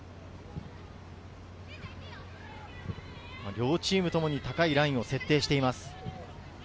両チームともに高いラインを設定しています。